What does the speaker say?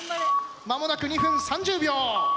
間もなく２分３０秒。